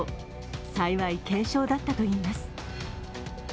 幸い軽傷だったといいます。